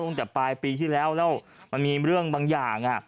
ตั้งแต่ปลายปีที่แล้วแล้วมันมีเรื่องบางอย่าง